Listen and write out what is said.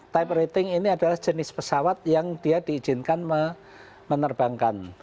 tipe rating ini adalah jenis pesawat yang dia diizinkan menerbangkan